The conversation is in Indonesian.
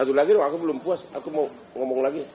satu lagi loh aku belum puas aku mau ngomong lagi